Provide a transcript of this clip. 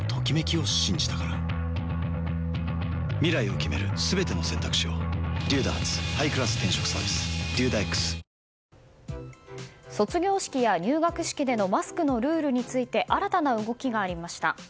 これまでカウンターやテーブルに卒業式や入学式でのマスクのルールについて新たな動きがありました。